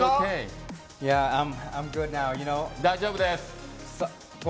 大丈夫です。